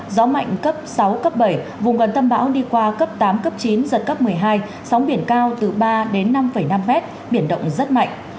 gió mạnh cấp sáu cấp bảy vùng gần tâm bão đi qua cấp tám cấp chín giật cấp một mươi hai sóng biển cao từ ba đến năm năm mét biển động rất mạnh